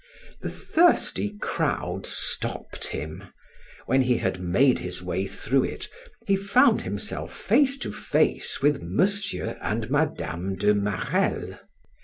The thirsty crowd stopped him; when he had made his way through it, he found himself face to face with M. and Mme. de Marelle.